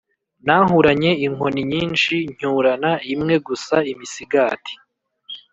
Nahuranye inkoni nyinshi ncyurana imwe gusa-Imisigati.